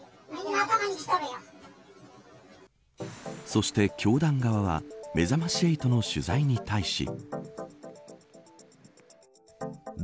そして、教団側はめざまし８の取材に対し。